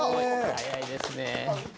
速いですね。